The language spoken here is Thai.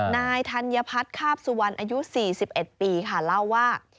นายธัญพัฒน์คาบสุวรรณอายุ๔๑ปีค่ะเล่าว่า